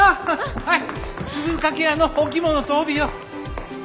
はい鈴懸屋のお着物と帯よ。